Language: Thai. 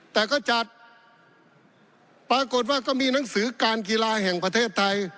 แต่ก็จัดปรากฏว่าก็มีหนังสือการกีฬาแห่งประเทศไทย